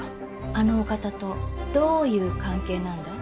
あのお方とどういう関係なんだい？